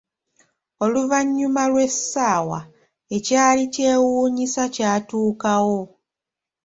Oluvanyuma lw'esaawa, ekyali kyewunyisa kyatukawo.